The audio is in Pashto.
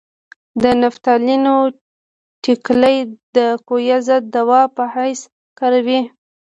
د نفتالینو ټېکلې د کویه ضد دوا په حیث کاروي.